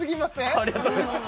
ありがとうございます